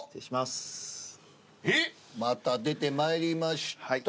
また出てまいりました。